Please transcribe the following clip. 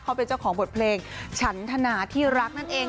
เขาเป็นเจ้าของบทเพลงฉันธนาที่รักนั่นเอง